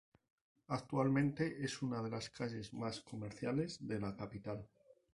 Actualmente es una de las calles más comerciales de la capital.